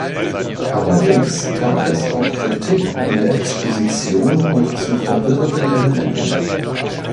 Allerdings gab es auch Kritik an der Exposition und „zu verwirrenden“ Elementen.